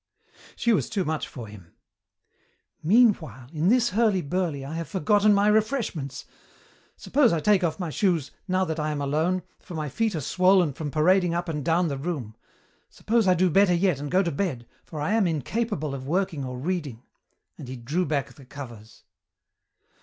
She was too much for him. "Meanwhile, in this hurly burly I have forgotten my refreshments. Suppose I take off my shoes, now that I am alone, for my feet are swollen from parading up and down the room. Suppose I do better yet and go to bed, for I am incapable of working or reading," and he drew back the covers.